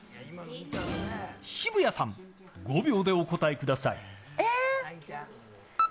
渋谷さん５秒でお答えください。